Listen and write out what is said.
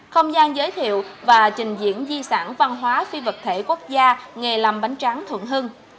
không gian giới thiệu và trình diễn di sản văn hóa phi vật thể quốc gia nghề làm bánh tráng thuận hưng